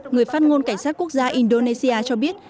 người phát ngôn cảnh sát quốc gia indonesia cho biết